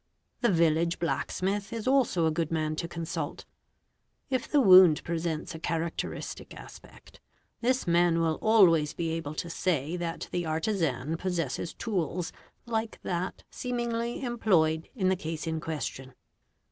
The village blacksmith is also a good man to consult. If the wound presents a characteristic aspect, this man will always be able to say that the artisan possesses tools ike that seemingly employed in the case in question.